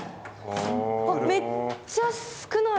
めっちゃ少ない。